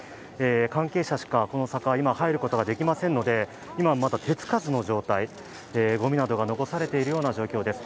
関係者しか、この坂は今入ることができませんので今まだ手つかずの状態、ごみなどが残れされている状況です。